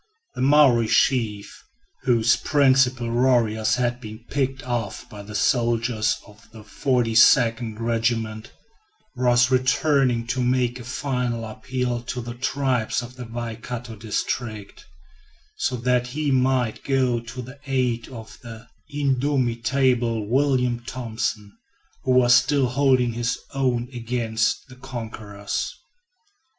The Maori chief, whose principal warriors had been picked off by the soldiers of the 42nd Regiment, was returning to make a final appeal to the tribes of the Waikato district, so that he might go to the aid of the indomitable William Thompson, who was still holding his own against the conquerors.